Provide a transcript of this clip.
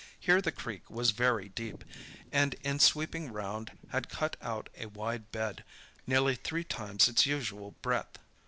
Here the creek was very deep, and in sweeping round had cut out a wide bed, nearly three times its usual breadth.